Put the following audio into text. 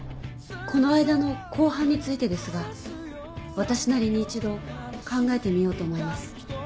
この間の公判についてですが私なりに一度考えてみようと思います。